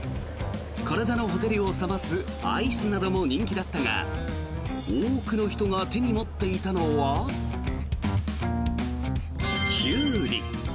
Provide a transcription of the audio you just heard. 体の火照りを冷ますアイスなども人気だったが多くの人が手に持っていたのはキュウリ。